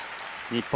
日本